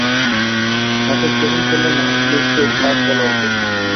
নাটক যখন চলল না, নিশ্চয় পাট বলার দোষ।